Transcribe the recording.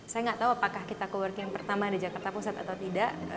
saya nggak tahu apakah kita co working pertama di jakarta pusat atau tidak